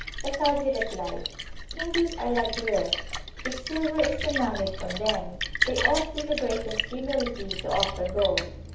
The qazi replied, Hindus are like the earth ; if silver is demanded from them, they ought with the greatest humility to offer gold.